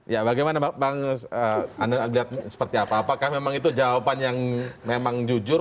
ya bagaimana bang anda lihat seperti apa apakah memang itu jawaban yang memang jujur